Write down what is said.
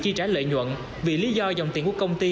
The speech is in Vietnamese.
chi trả lợi nhuận vì lý do dòng tiền của công ty